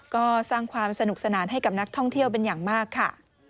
ก็สร้างความสนุกสนานให้กับนักท่องเที่ยวเป็นอย่างมากค่ะ